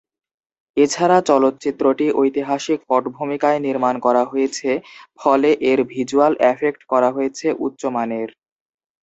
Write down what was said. এছাড়া চলচ্চিত্রটি ঐতিহাসিক পটভূমিকায় নির্মাণ করা হয়েছে ফলে এর ভিজুয়াল এফেক্ট করা হয়েছে উচ্চমানের।